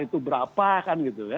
itu berapa kan gitu ya